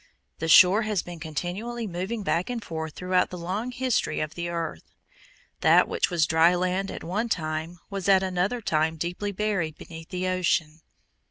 The shore has been continually moving back and forth throughout the long history of the earth. That which was dry land at one time was at another time deeply buried beneath the ocean.